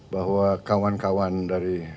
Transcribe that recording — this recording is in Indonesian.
bahwa kawan kawan dari